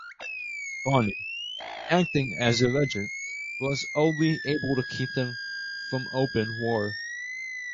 Bonne, acting as regent, was only able to keep them from open war.